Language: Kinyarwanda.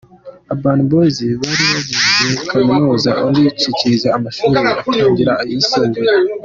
Urban Boyz, babiri ni bo bize Kaminuza undi acikiriza amashuri agitangira ayisumbuye.